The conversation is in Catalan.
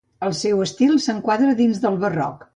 El seu estil s'enquadra dins del barroc.